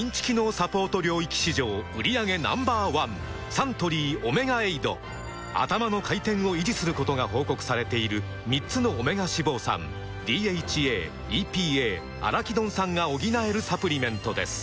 サントリー「オメガエイド」「アタマの回転」を維持することが報告されている３つのオメガ脂肪酸ＤＨＡ・ＥＰＡ・アラキドン酸が補えるサプリメントです